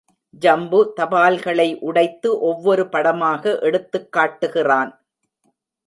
ஜம்பு, தபால்களை உடைத்து ஒவ்வொரு படமாக எடுத்துக் காட்டுகிறான்.